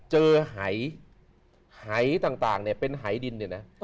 เจอหายหายต่างเนี่ยเป็นหายดินเนี่ยนะ